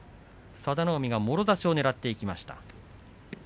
佐田の海がもろ差しをねらっていきました。